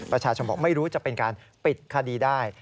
ประชาชนบอกไม่รู้จะเป็นการปิดคดีได้